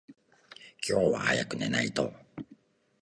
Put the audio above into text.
今日は早く寝ないと。